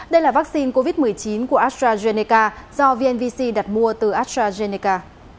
đây là vaccine covid một mươi chín của astrazeneca do vnvc đặt mua từ astrazeneca